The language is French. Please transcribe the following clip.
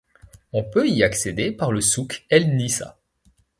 On peut y accéder par le souk El Nissa.